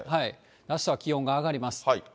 あしたは気温が上がります。